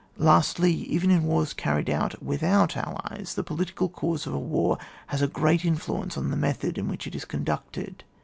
Lastly, even in wars carried on with out allies, the political cause of a war has a great influence on the method in which it is conducted.